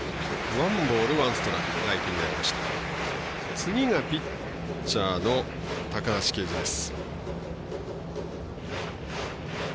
次がピッチャーの高橋奎二です。